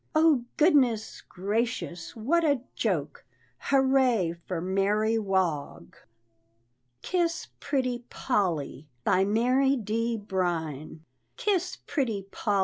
Oh, goodness gracious! what a joke! Hurrah for Mary Wog!" "KISS PRETTY POLL!" BY MARY D. BRINE. "Kiss Pretty Poll!"